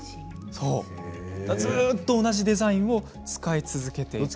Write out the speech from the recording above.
ずっと同じデザインを使い続けているんです。